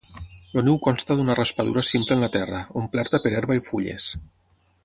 El niu consta d'una raspadura simple en la terra, omplerta per herba i fulles.